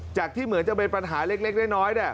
ที่เหมือนจะเป็นปัญหาเล็กน้อย